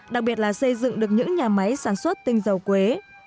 đặc biệt là xây dựng được những nhà máy sản xuất tinh dầu quế